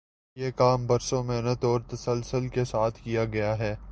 یہ کام برسوں محنت اور تسلسل کے ساتھ کیا گیا ہے۔